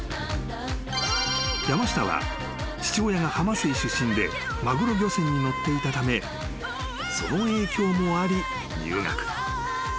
［山下は父親が浜水出身でマグロ漁船に乗っていたためその影響もあり入学］